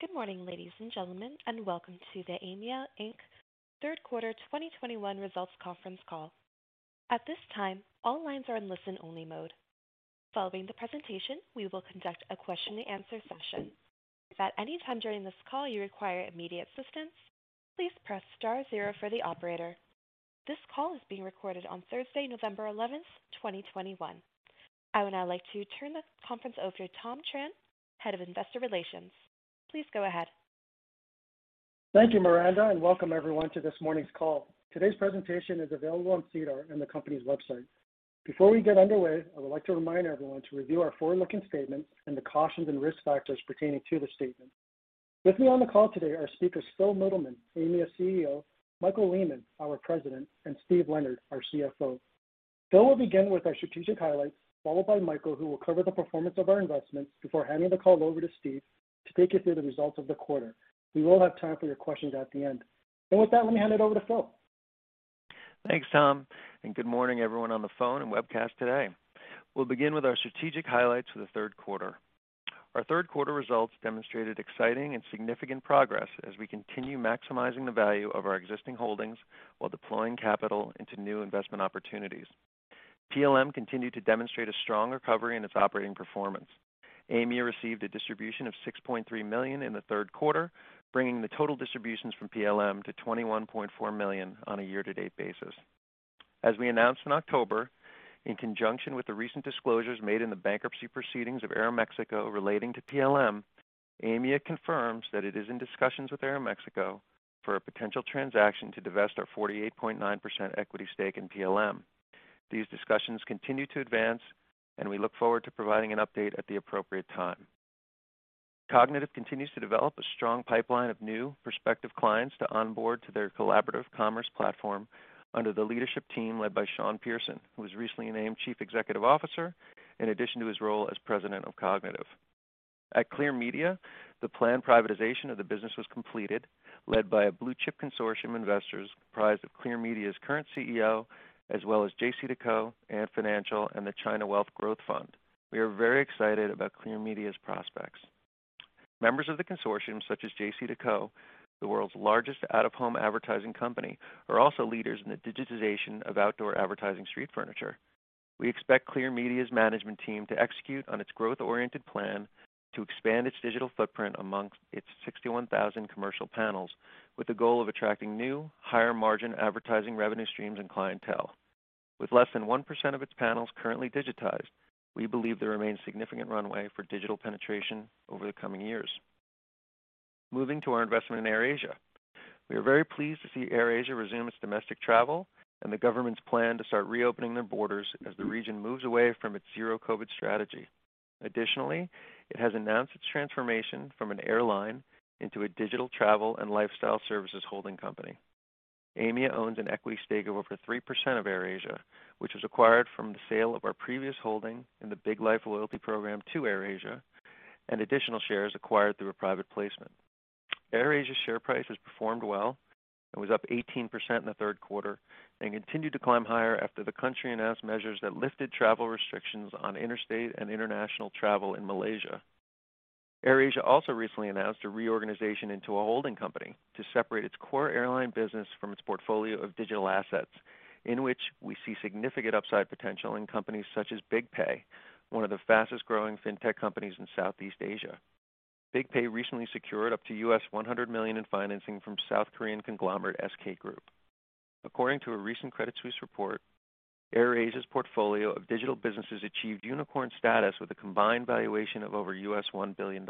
Good morning, ladies and gentlemen, and welcome to the Aimia Inc. third quarter 2021 results conference call. At this time, all lines are in listen-only mode. Following the presentation, we will conduct a question-and-answer session. At any time during this call you require immediate assistance, please press star zero for the operator. This call is being recorded on Thursday, November 11th, 2021. I would now like to turn the conference over to Tom Tran, Head of Investor Relations. Please go ahead. Thank you, Miranda, and welcome everyone to this morning's call. Today's presentation is available on SEDAR in the company's website. Before we get underway, I would like to remind everyone to review our forward-looking statements and the cautions and risk factors pertaining to the statement. With me on the call today are speakers Phil Mittleman, Aimia CEO, Michael Lehmann, our President, and Steve Leonard, our CFO. Phil will begin with our strategic highlights, followed by Michael, who will cover the performance of our investments before handing the call over to Steve to take you through the results of the quarter. We will have time for your questions at the end. With that, let me hand it over to Phil. Thanks, Tom, and good morning everyone on the phone and webcast today. We'll begin with our strategic highlights for the third quarter. Our third quarter results demonstrated exciting and significant progress as we continue maximizing the value of our existing holdings while deploying capital into new investment opportunities. PLM continued to demonstrate a strong recovery in its operating performance. Aimia received a distribution of 6.3 million in the third quarter, bringing the total distributions from PLM to 21.4 million on a year-to-date basis. As we announced in October, in conjunction with the recent disclosures made in the bankruptcy proceedings of Aeroméxico relating to PLM, Aimia confirms that it is in discussions with Aeroméxico for a potential transaction to divest our 48.9% equity stake in PLM. These discussions continue to advance, and we look forward to providing an update at the appropriate time. Kognitiv continues to develop a strong pipeline of new prospective clients to onboard to their collaborative commerce platform under the leadership team led by Shawn Pearson, who was recently named Chief Executive Officer in addition to his role as President of Kognitiv. At Clear Media, the planned privatization of the business was completed, led by a blue-chip consortium of investors comprised of Clear Media's current CEO as well as JCDecaux, Ant Financial, and the China Wealth Growth Fund. We are very excited about Clear Media's prospects. Members of the consortium, such as JCDecaux, the world's largest out-of-home advertising company, are also leaders in the digitization of outdoor advertising street furniture. We expect Clear Media's management team to execute on its growth-oriented plan to expand its digital footprint among its 61,000 commercial panels, with the goal of attracting new, higher-margin advertising revenue streams and clientele. With less than 1% of its panels currently digitized, we believe there remains significant runway for digital penetration over the coming years. Moving to our investment in AirAsia. We are very pleased to see AirAsia resume its domestic travel and the government's plan to start reopening their borders as the region moves away from its zero-COVID strategy. Additionally, it has announced its transformation from an airline into a digital travel and lifestyle services holding company. Aimia owns an equity stake of over 3% of AirAsia, which was acquired from the sale of our previous holding in the BIGLIFE loyalty program to AirAsia and additional shares acquired through a private placement. AirAsia's share price has performed well and was up 18% in the third quarter and continued to climb higher after the country announced measures that lifted travel restrictions on interstate and international travel in Malaysia. AirAsia also recently announced a reorganization into a holding company to separate its core airline business from its portfolio of digital assets, in which we see significant upside potential in companies such as BigPay, one of the fastest-growing fintech companies in Southeast Asia. BigPay recently secured up to $100 million in financing from South Korean conglomerate SK Group. According to a recent Credit Suisse report, AirAsia's portfolio of digital businesses achieved unicorn status with a combined valuation of over $1 billion.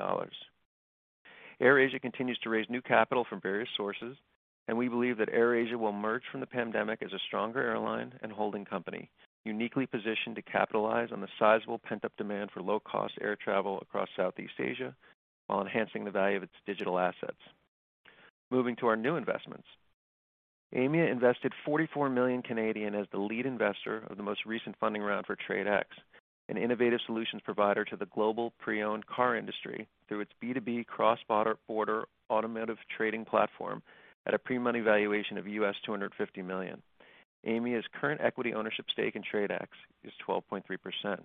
AirAsia continues to raise new capital from various sources, and we believe that AirAsia will emerge from the pandemic as a stronger airline and holding company, uniquely positioned to capitalize on the sizable pent-up demand for low-cost air travel across Southeast Asia while enhancing the value of its digital assets. Moving to our new investments. Aimia invested 44 million Canadian dollars as the lead investor of the most recent funding round for TRADE X, an innovative solutions provider to the global pre-owned car industry through its B2B cross-border automotive trading platform at a pre-money valuation of $250 million. Aimia's current equity ownership stake in TRADE X is 12.3%. TRADE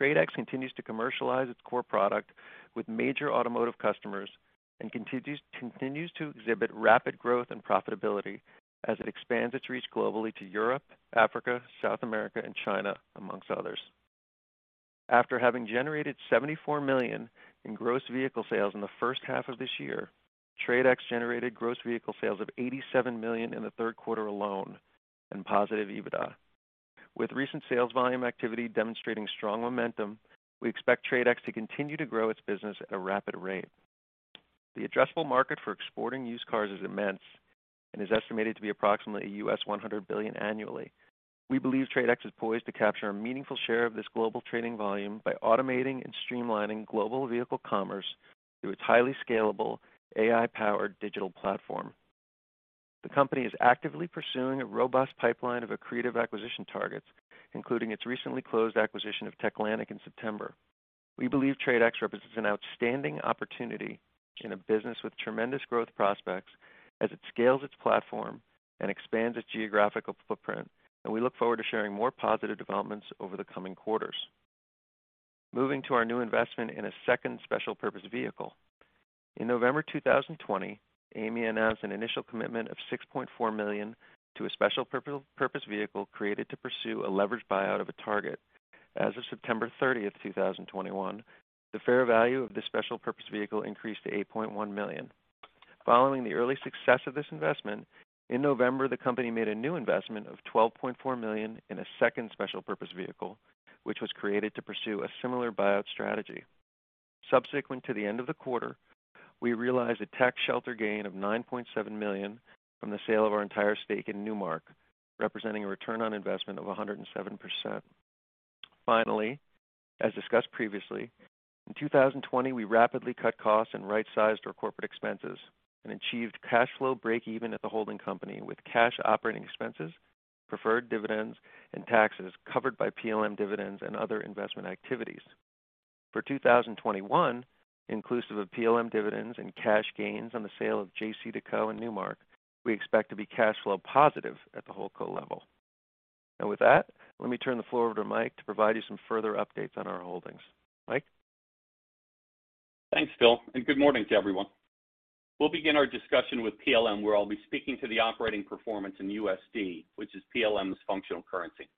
X continues to commercialize its core product with major automotive customers and continues to exhibit rapid growth and profitability as it expands its reach globally to Europe, Africa, South America, and China, among others. After having generated $74 million in gross vehicle sales in the first half of this year, TRADE X generated gross vehicle sales of $87 million in the third quarter alone and positive EBITDA. With recent sales volume activity demonstrating strong momentum, we expect TRADE X to continue to grow its business at a rapid rate. The addressable market for exporting used cars is immense and is estimated to be approximately $100 billion annually. We believe TRADE X is poised to capture a meaningful share of this global trading volume by automating and streamlining global vehicle commerce through its highly scalable AI-powered digital platform. The company is actively pursuing a robust pipeline of accretive acquisition targets, including its recently closed acquisition of Techlantic in September. We believe TRADE X represents an outstanding opportunity in a business with tremendous growth prospects as it scales its platform and expands its geographical footprint, and we look forward to sharing more positive developments over the coming quarters. Moving to our new investment in a second special purpose vehicle. In November 2020, Aimia announced an initial commitment of 6.4 million to a special purpose vehicle created to pursue a leveraged buyout of a target. As of September 30th, 2021, the fair value of this special purpose vehicle increased to 8.1 million. Following the early success of this investment, in November, the company made a new investment of 12.4 million in a second special purpose vehicle, which was created to pursue a similar buyout strategy. Subsequent to the end of the quarter, we realized a tax shelter gain of 9.7 million from the sale of our entire stake in Newmark, representing a return on investment of 107%. Finally, as discussed previously, in 2020, we rapidly cut costs and right-sized our corporate expenses and achieved cash flow breakeven at the holding company with cash operating expenses, preferred dividends, and taxes covered by PLM dividends and other investment activities. For 2021, inclusive of PLM dividends and cash gains on the sale of JCDecaux and Newmark, we expect to be cash flow positive at the whole company level. With that, let me turn the floor over to Mike to provide you some further updates on our holdings. Mike? Thanks, Phil, and good morning to everyone. We'll begin our discussion with PLM, where I'll be speaking to the operating performance in USD, which is PLM's functional currency.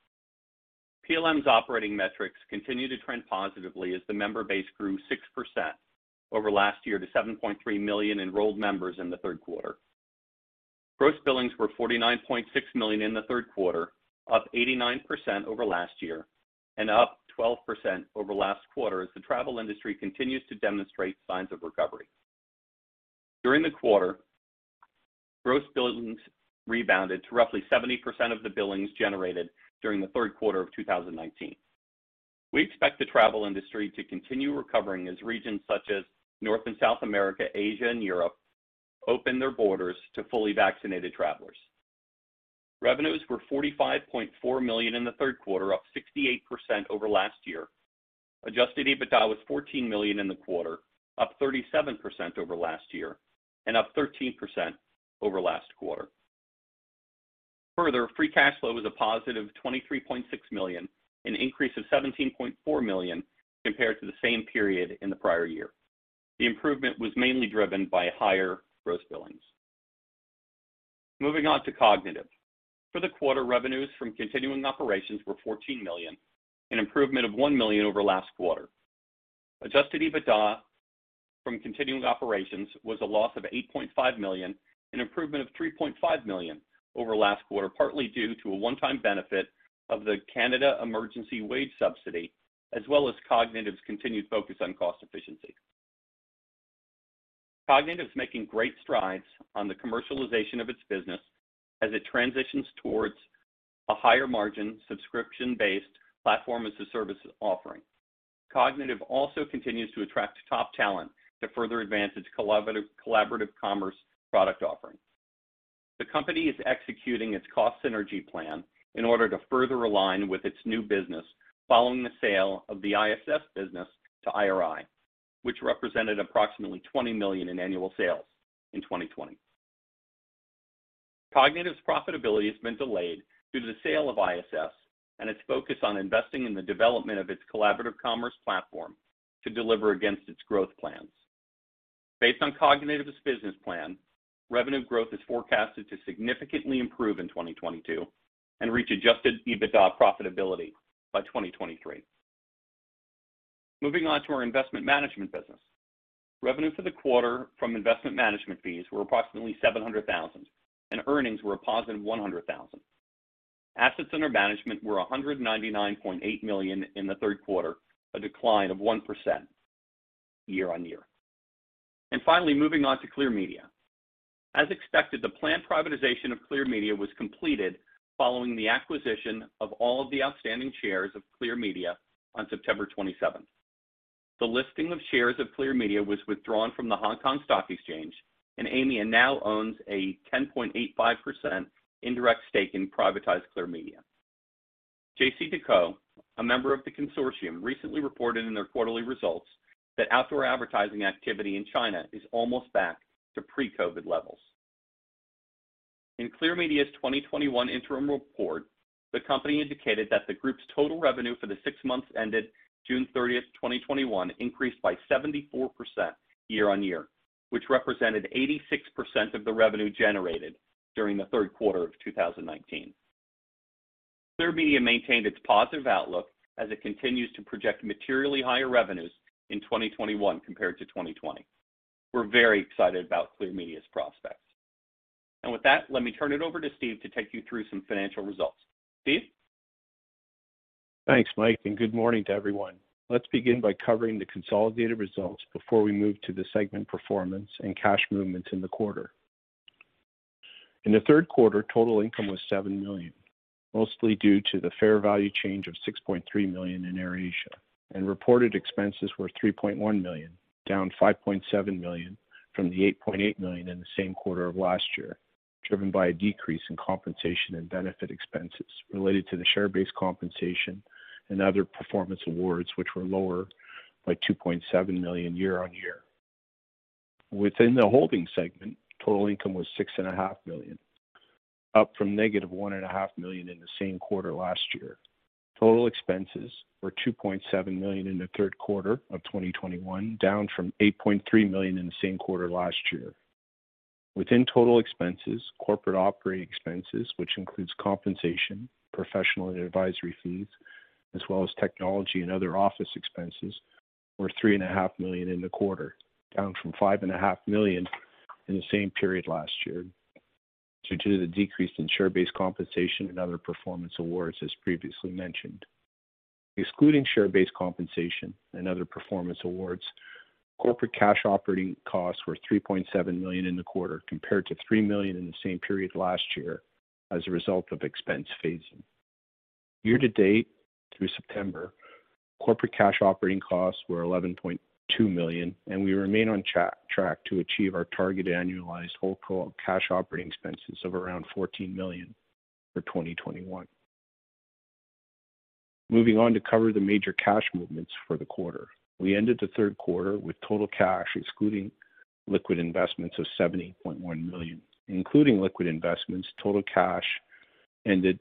PLM's operating metrics continue to trend positively as the member base grew 6% over last year to 7.3 million enrolled members in the third quarter. Gross billings were $49.6 million in the third quarter, up 89% over last year and up 12% over last quarter as the travel industry continues to demonstrate signs of recovery. During the quarter, gross billings rebounded to roughly 70% of the billings generated during the third quarter of 2019. We expect the travel industry to continue recovering as regions such as North and South America, Asia, and Europe open their borders to fully vaccinated travelers. Revenues were 45.4 million in the third quarter, up 68% over last year. Adjusted EBITDA was 14 million in the quarter, up 37% over last year and up 13% over last quarter. Further, free cash flow was a positive 23.6 million, an increase of 17.4 million compared to the same period in the prior year. The improvement was mainly driven by higher gross billings. Moving on to Kognitiv. For the quarter, revenues from continuing operations were 14 million, an improvement of 1 million over last quarter. Adjusted EBITDA from continuing operations was a loss of 8.5 million, an improvement of 3.5 million over last quarter, partly due to a one-time benefit of the Canada Emergency Wage Subsidy, as well as Kognitiv's continued focus on cost efficiency. Kognitiv is making great strides on the commercialization of its business as it transitions towards a higher margin subscription-based platform as a services offering. Kognitiv also continues to attract top talent to further advance its collaborative commerce product offering. The company is executing its cost synergy plan in order to further align with its new business following the sale of the ISS business to IRI, which represented approximately 20 million in annual sales in 2020. Kognitiv's profitability has been delayed due to the sale of ISS and its focus on investing in the development of its collaborative commerce platform to deliver against its growth plans. Based on Kognitiv's business plan, revenue growth is forecasted to significantly improve in 2022 and reach adjusted EBITDA profitability by 2023. Moving on to our investment management business. Revenue for the quarter from investment management fees were approximately 700,000, and earnings were a positive 100,000. Assets under management were 199.8 million in the third quarter, a decline of 1% year-on-year. Finally, moving on to Clear Media. As expected, the planned privatization of Clear Media was completed following the acquisition of all of the outstanding shares of Clear Media on September 27. The listing of shares of Clear Media was withdrawn from the Hong Kong Stock Exchange, and Aimia now owns a 10.85% indirect stake in privatized Clear Media. JCDecaux, a member of the consortium, recently reported in their quarterly results that outdoor advertising activity in China is almost back to pre-COVID levels. In Clear Media's 2021 interim report, the company indicated that the group's total revenue for the six months ended June 30th, 2021 increased by 74% year-on-year, which represented 86% of the revenue generated during the third quarter of 2019. Clear Media maintained its positive outlook as it continues to project materially higher revenues in 2021 compared to 2020. We're very excited about Clear Media's prospects. With that, let me turn it over to Steve to take you through some financial results. Steve? Thanks, Mike, and good morning to everyone. Let's begin by covering the consolidated results before we move to the segment performance and cash movements in the quarter. In the third quarter, total income was 7 million, mostly due to the fair value change of 6.3 million in AirAsia. Reported expenses were 3.1 million, down 5.7 million from the 8.8 million in the same quarter of last year, driven by a decrease in compensation and benefit expenses related to the share-based compensation and other performance awards, which were lower by 2.7 million year-over-year. Within the holding segment, total income was 6.5 million, up from -1.5 million in the same quarter last year. Total expenses were 2.7 million in the third quarter of 2021, down from 8.3 million in the same quarter last year. Within total expenses, corporate operating expenses, which includes compensation, professional and advisory fees, as well as technology and other office expenses, were 3.5 million in the quarter, down from 5.5 million in the same period last year due to the decrease in share-based compensation and other performance awards, as previously mentioned. Excluding share-based compensation and other performance awards, corporate cash operating costs were 3.7 million in the quarter, compared to 3 million in the same period last year as a result of expense phasing. Year-to-date through September, corporate cash operating costs were 11.2 million, and we remain on track to achieve our target annualized whole cash operating expenses of around 14 million for 2021. Moving on to cover the major cash movements for the quarter. We ended the third quarter with total cash excluding liquid investments of 70.1 million. Including liquid investments, total cash ended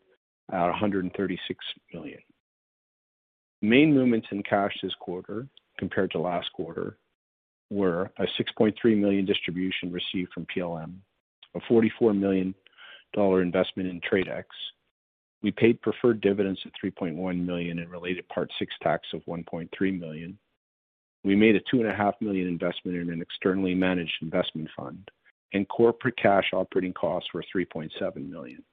at 136 million. The main movements in cash this quarter compared to last quarter were a 6.3 million distribution received from PLM, a $44 million investment in TRADE X. We paid preferred dividends of 3.1 million and related Part VI tax of 1.3 million. We made a 2.5 million investment in an externally managed investment fund, and corporate cash operating costs were 3.7 million.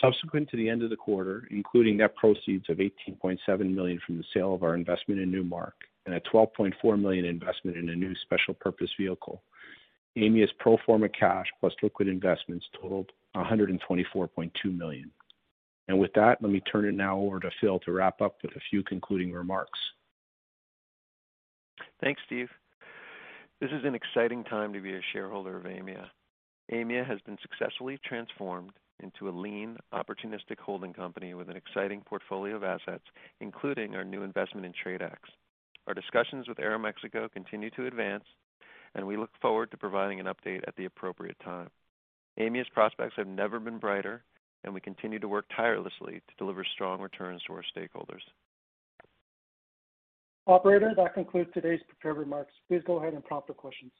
Subsequent to the end of the quarter, including net proceeds of 18.7 million from the sale of our investment in Newmark and a 12.4 million investment in a new special purpose vehicle, Aimia's pro forma cash plus liquid investments totaled 124.2 million. With that, let me turn it now over to Phil to wrap up with a few concluding remarks. Thanks, Steve. This is an exciting time to be a shareholder of Aimia. Aimia has been successfully transformed into a lean, opportunistic holding company with an exciting portfolio of assets, including our new investment in TRADE X. Our discussions with Aeroméxico continue to advance, and we look forward to providing an update at the appropriate time. Aimia's prospects have never been brighter, and we continue to work tirelessly to deliver strong returns to our stakeholders. Operator, that concludes today's prepared remarks. Please go ahead and prompt the questions.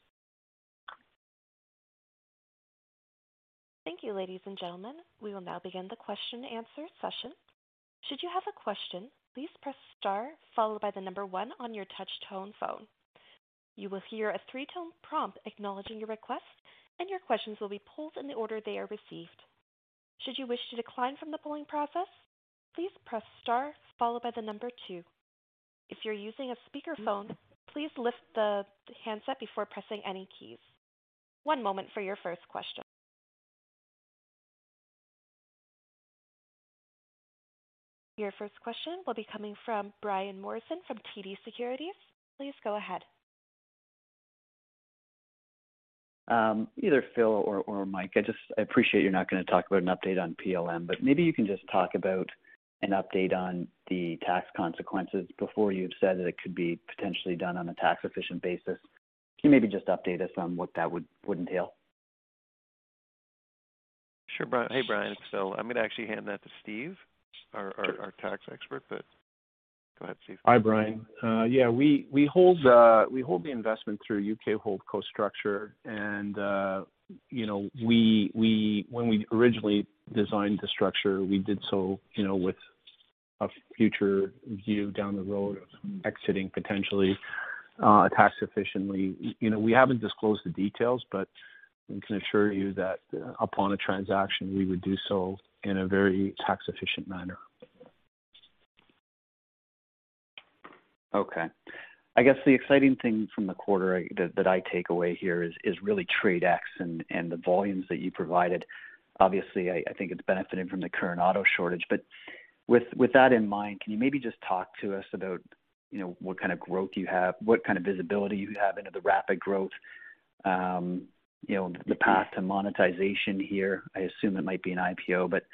Thank you, ladies and gentlemen. We will now begin the question-and-answer session. Should you have a question, please press star followed by the number one on your touch-tone phone. You will hear a three-tone prompt acknowledging your request, and your questions will be pulled in the order they are received. Should you wish to decline from the polling process, please press star followed by the number two. If you're using a speakerphone, please lift the handset before pressing any keys. One moment for your first question. Your first question will be coming from Brian Morrison from TD Securities. Please go ahead. Either Phil or Mike, I appreciate you're not gonna talk about an update on PLM, but maybe you can just talk about an update on the tax consequences. Before, you had said that it could be potentially done on a tax-efficient basis. Can you maybe just update us on what that would entail? Sure, Brian. Hey, Brian. I'm gonna actually hand that to Steve, our tax expert. Go ahead, Steve. Hi, Brian. Yeah, we hold the investment through U.K. Holdco structure. You know, when we originally designed the structure, we did so, you know, with a future view down the road of exiting potentially tax efficiently. You know, we haven't disclosed the details, but we can assure you that upon a transaction, we would do so in a very tax-efficient manner. Okay. I guess the exciting thing from the quarter that I take away here is really TRADE X and the volumes that you provided. Obviously, I think it's benefiting from the current auto shortage. With that in mind, can you maybe just talk to us about, you know, what kind of growth you have, what kind of visibility you have into the rapid growth, you know, the path to monetization here? I assume it might be an IPO, but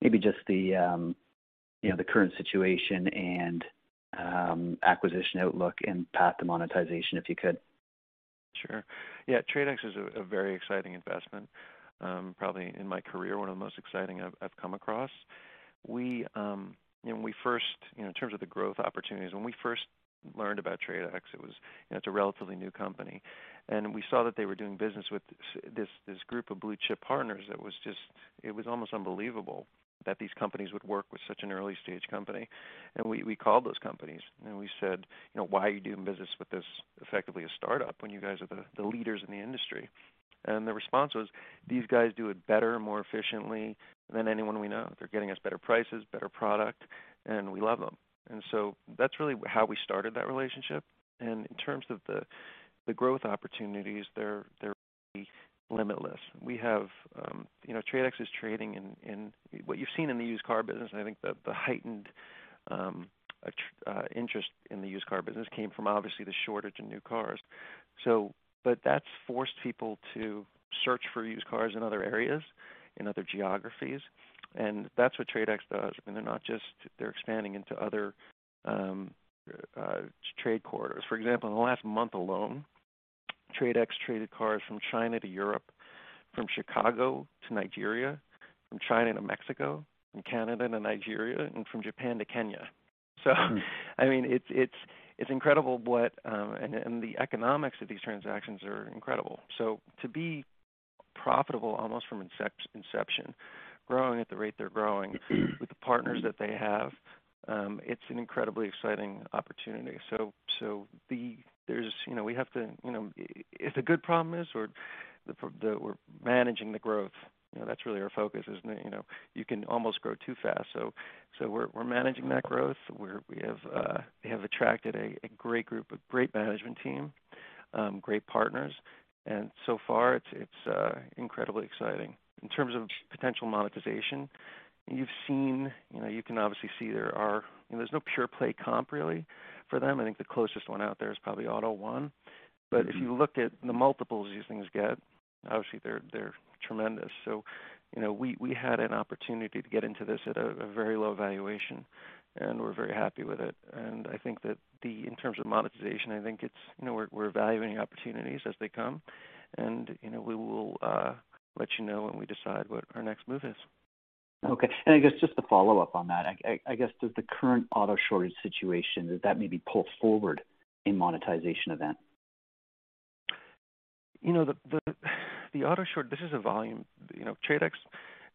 maybe just the, you know, the current situation and acquisition outlook and path to monetization, if you could. Sure. Yeah. TRADE X is a very exciting investment, probably in my career, one of the most exciting I've come across. In terms of the growth opportunities, when we first learned about TRADE X, it was, you know, it's a relatively new company. We saw that they were doing business with this group of blue-chip partners. It was almost unbelievable that these companies would work with such an early-stage company. We called those companies and we said, you know, "Why are you doing business with this effectively a startup when you guys are the leaders in the industry?" The response was, "These guys do it better and more efficiently than anyone we know. They're getting us better prices, better product, and we love them. That's really how we started that relationship. In terms of the growth opportunities, they're limitless. We have TRADE X is trading in what you've seen in the used car business, and I think the heightened interest in the used car business came from obviously, the shortage in new cars. That's forced people to search for used cars in other areas, in other geographies, and that's what TRADE X does. They're not just. They're expanding into other trade corridors. For example, in the last month alone, TRADE X traded cars from China to Europe, from Chicago to Nigeria, from China to Mexico, from Canada to Nigeria, and from Japan to Kenya. I mean, it's incredible what and the economics of these transactions are incredible. To be profitable almost from inception, growing at the rate they're growing, with the partners that they have, it's an incredibly exciting opportunity. There's, you know, we have to, you know. It is a good problem. We're managing the growth. You know, that's really our focus, isn't it? You know, you can almost grow too fast. We're managing that growth. We have attracted a great group, a great management team, great partners, and so far it's incredibly exciting. In terms of potential monetization, you've seen, you know, you can obviously see there are. You know, there's no pure play comp really for them. I think the closest one out there is probably Auto1. If you looked at the multiples these things get, obviously, they're tremendous. You know, we had an opportunity to get into this at a very low valuation, and we're very happy with it. I think that in terms of monetization, I think it's, you know, we're evaluating opportunities as they come. You know, we will let you know when we decide what our next move is. Okay. I guess just to follow up on that, does the current auto shortage situation maybe pull forward a monetization event? You know, this is a volume. You know, TRADE X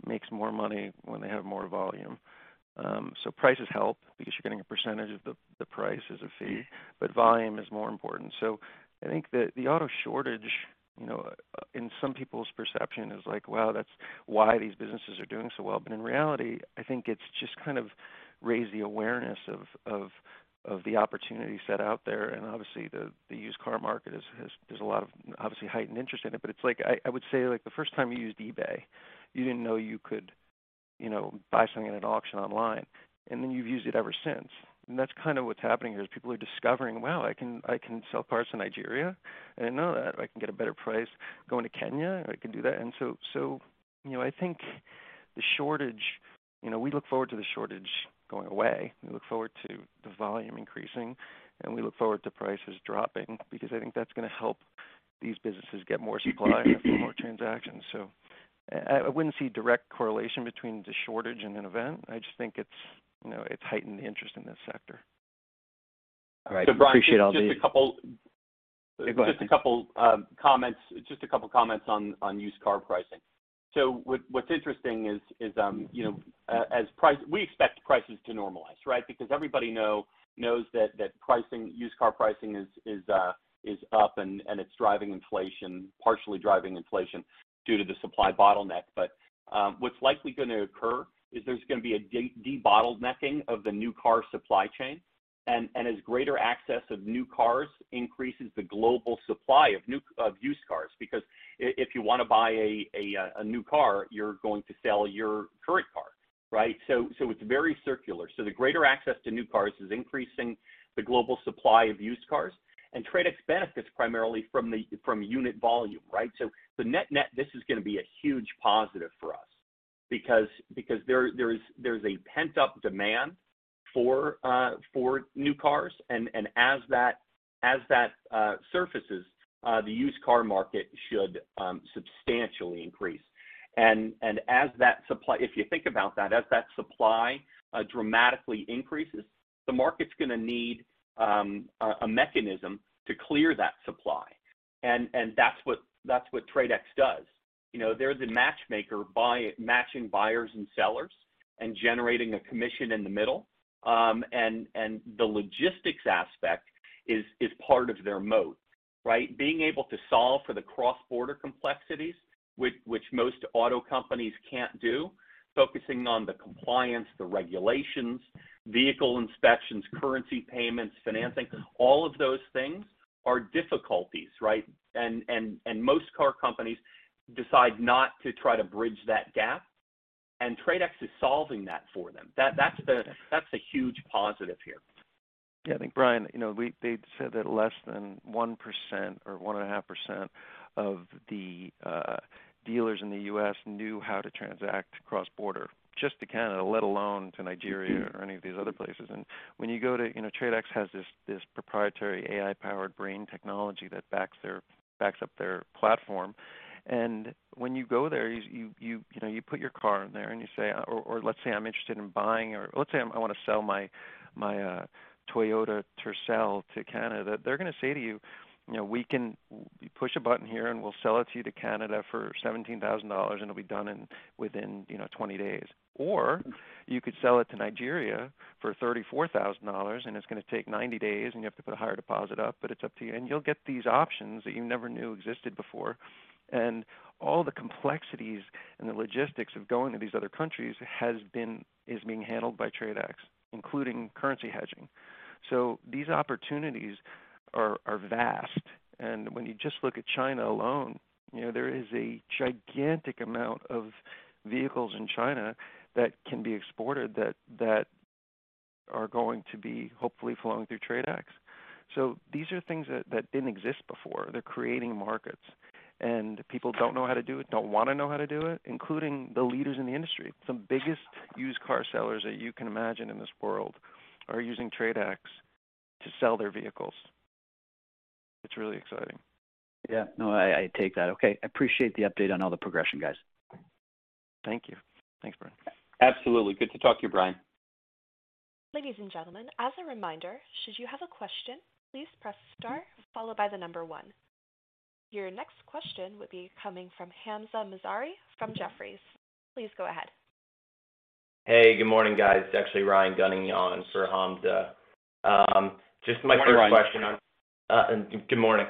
makes more money when they have more volume. Prices help because you're getting a percentage of the price as a fee, but volume is more important. I think that the auto shortage, you know, in some people's perception, is like, "Wow, that's why these businesses are doing so well." In reality, I think it's just kind of raised the awareness of the opportunity set out there. Obviously, the used car market is. There's a lot of, obviously, heightened interest in it. It's like I would say, like the first time you used eBay, you didn't know you could, you know, buy something at an auction online, and then you've used it ever since. That's kind of what's happening here is people are discovering, "Wow, I can sell cars to Nigeria? I didn't know that. I can get a better price going to Kenya? I can do that." You know, I think the shortage, you know, we look forward to the shortage going away. We look forward to the volume increasing, and we look forward to prices dropping because I think that's gonna help these businesses get more supply and more transactions. I wouldn't see direct correlation between the shortage and an event. I just think it's, you know, it's heightened the interest in this sector. All right. I appreciate all the. Brian, just a couple Go ahead. Just a couple of comments on used car pricing. What's interesting is you know as we expect prices to normalize, right? Everybody knows that used car pricing is up, and it's partially driving inflation due to the supply bottleneck. What's likely gonna occur is there's gonna be a debottlenecking of the new car supply chain. Greater access to new cars increases the global supply of used cars, because if you wanna buy a new car, you're going to sell your current car, right? It's very circular. The greater access to new cars is increasing the global supply of used cars, and TRADE X benefits primarily from unit volume, right? The net-net, this is gonna be a huge positive for us because there is a pent-up demand for new cars, and as that surfaces, the used car market should substantially increase. If you think about that, as that supply dramatically increases, the market's gonna need a mechanism to clear that supply. That's what TRADE X does. You know, they're the matchmaker by matching buyers and sellers and generating a commission in the middle. The logistics aspect is part of their moat, right? Being able to solve for the cross-border complexities, which most auto companies can't do, focusing on the compliance, the regulations, vehicle inspections, currency payments, financing, all of those things are difficulties, right? Most car companies decide not to try to bridge that gap, and TRADE X is solving that for them. That's the huge positive here. Yeah. I think, Brian, you know, they said that less than 1% or 1.5% of the dealers in the U.S. knew how to transact cross-border just to Canada, let alone to Nigeria or any of these other places. When you go to. You know, TRADE X has this proprietary AI-powered brain technology that backs up their platform. When you go there, you know, you put your car in there, and you say. Or let's say I'm interested in buying or let's say I wanna sell my Toyota Tercel to Canada. They're gonna say to you, "You know, we can push a button here, and we'll sell it to you to Canada for $17,000, and it'll be done within, you know, 20 days. You could sell it to Nigeria for $34,000, and it's gonna take 90 days, and you have to put a higher deposit up, but it's up to you. You'll get these options that you never knew existed before. All the complexities and the logistics of going to these other countries is being handled by TRADE X, including currency hedging. These opportunities are vast. When you just look at China alone, you know, there is a gigantic amount of vehicles in China that can be exported that are going to be hopefully flowing through TRADE X. These are things that didn't exist before. They're creating markets, and people don't know how to do it, don't wanna know how to do it, including the leaders in the industry. Some biggest used car sellers that you can imagine in this world are using TRADE X to sell their vehicles. It's really exciting. Yeah. No, I take that. Okay, I appreciate the update on all the progression, guys. Thank you. Thanks, Brian. Absolutely. Good to talk to you, Brian. Ladies and gentlemen, as a reminder, should you have a question, please press star followed by the number one. Your next question would be coming from Hamzah Mazari from Jefferies. Please go ahead. Hey, good morning, guys. It's actually Ryan Gunning on for Hamzah. Just my first question- Good morning, Ryan. Good morning.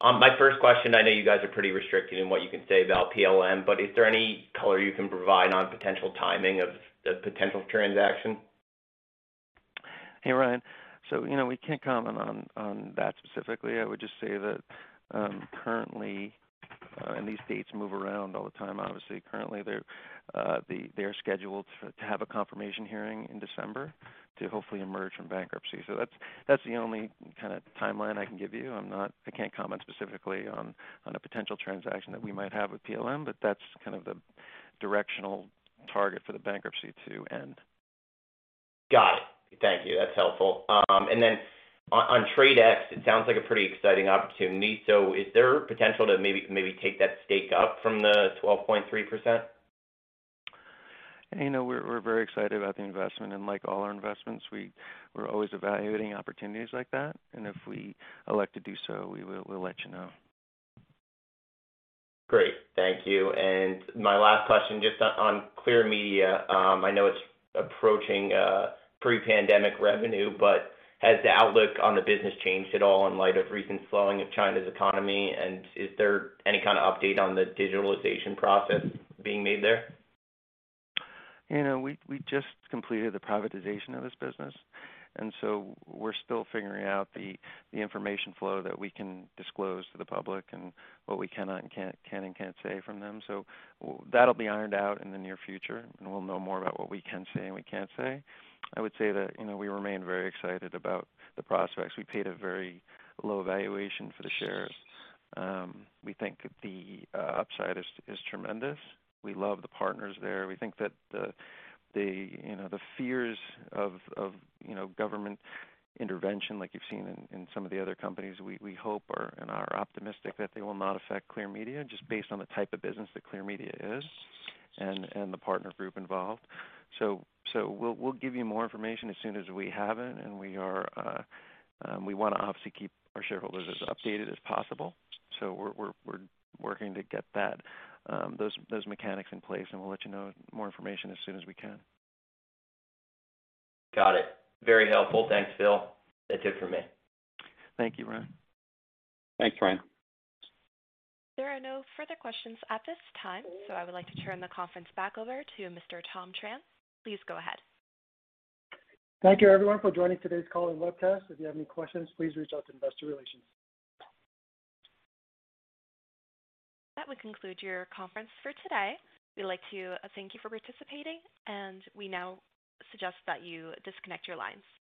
My first question, I know you guys are pretty restricted in what you can say about PLM, but is there any color you can provide on potential timing of the potential transaction? Hey, Ryan. You know, we can't comment on that specifically. I would just say that currently, and these dates move around all the time obviously, currently they're scheduled to have a confirmation hearing in December to hopefully emerge from bankruptcy. That's the only kinda timeline I can give you. I can't comment specifically on a potential transaction that we might have with PLM, but that's kind of the directional target for the bankruptcy to end. Got it. Thank you. That's helpful. On TRADE X, it sounds like a pretty exciting opportunity. Is there potential to maybe take that stake up from the 12.3%? You know, we're very excited about the investment. Like all our investments, we're always evaluating opportunities like that. If we elect to do so, we'll let you know. Great. Thank you. My last question, just on Clear Media, I know it's approaching pre-pandemic revenue, but has the outlook on the business changed at all in light of recent slowing of China's economy? And is there any kind of update on the digitalization process being made there? You know, we just completed the privatization of this business, and we're still figuring out the information flow that we can disclose to the public and what we cannot and can't say from them. That'll be ironed out in the near future, and we'll know more about what we can say, and we can't say. I would say that, you know, we remain very excited about the prospects. We paid a very low valuation for the shares. We think the upside is tremendous. We love the partners there. We think that, you know, the fears of, you know, government intervention, like you've seen in some of the other companies. We hope and are optimistic that they will not affect Clear Media just based on the type of business that Clear Media is and the partner group involved. We'll give you more information as soon as we have it, and we wanna obviously keep our shareholders as updated as possible. We're working to get those mechanics in place, and we'll let you know more information as soon as we can. Got it. Very helpful. Thanks, Phil. That's it for me. Thank you, Ryan. Thanks, Ryan. There are no further questions at this time, so I would like to turn the conference back over to Mr. Tom Tran. Please go ahead. Thank you, everyone, for joining today's call and webcast. If you have any questions, please reach out to Investor Relations. That would conclude your conference for today. We'd like to thank you for participating, and we now suggest that you disconnect your lines.